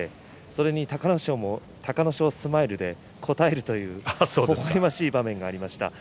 それに隆の勝もあの隆の勝スマイルで応えるという、ほほえましい場面がありました。